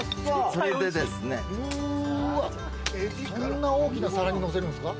そんな大きな皿にのせるんですか？